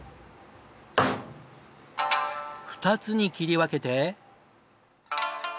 ２つに切り分けて。